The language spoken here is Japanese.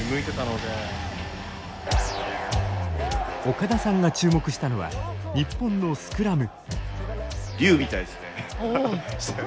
岡田さんが注目したのは日本のスクラム。